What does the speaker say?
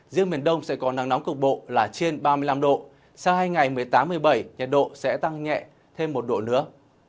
riêng miền đông sẽ có nắng nóng cục bộ là trên ba mươi năm độ sau hai ngày một mươi tám một mươi bảy nhiệt độ sẽ tăng nhẹ thêm một độ nữa